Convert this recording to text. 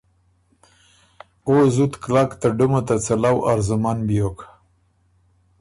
او زُت کلک ته ډُمه ته څَلؤ ارزومن بیوک